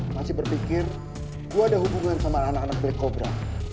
masih berpikir gue ada hubungan sama anak anak black cobra